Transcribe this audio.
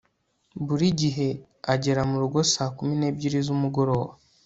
buri gihe agera murugo saa kumi n'ebyiri z'umugoroba